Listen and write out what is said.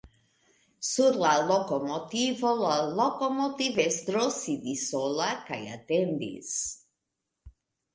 Sur la lokomotivo la lokomotivestro sidis sola kaj atendis.